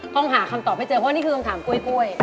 คงหาคำตอบไปเจอเพราะคนที่ถูกถามกล้วย